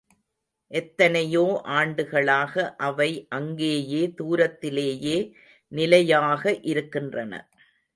எத்தனையோ ஆண்டுகளாக அவை அங்கேயே தூரத்திலேயே நிலையாக இருக்கின்றன.